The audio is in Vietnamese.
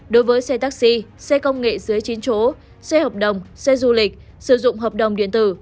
đối với xe taxi xe công nghệ dưới chín chỗ xe hợp đồng xe du lịch sử dụng hợp đồng điện tử